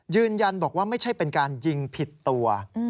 ยืนยันบอกว่าไม่ใช่เป็นการยิงผิดตัว